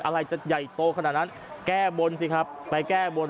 อะไรจะใหญ่โตขนาดนั้นแก้บนสิครับไปแก้บน